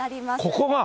ここが？